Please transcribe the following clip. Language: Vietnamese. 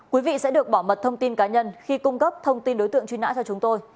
quý vị sẽ được bảo mật thông tin cá nhân khi cung cấp thông tin đối tượng truy nã cho chúng tôi